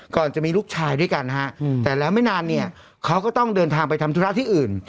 ก่อนจะมีลูกชายด้วยกันฮะแต่แล้วไม่นานเนี่ยเขาก็ต้องเดินทางไปทำธุระที่อื่น